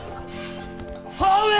母上！